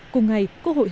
cùng ngày có hội hợp